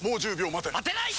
待てない！